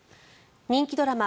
人気ドラマ